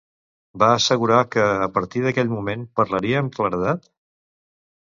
Va assegurar que, a partir d'aquell moment, parlaria amb claredat?